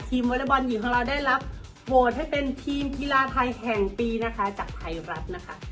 วอเล็กบอลหญิงของเราได้รับโหวตให้เป็นทีมกีฬาไทยแห่งปีนะคะจากไทยรัฐนะคะ